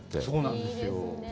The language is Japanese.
そうなんですよ。